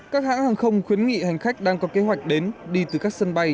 các hãng hàng không khuyến nghị hành khách đang có kế hoạch đến đi từ các sân bay